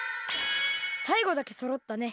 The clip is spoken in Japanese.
さいごだけそろったね！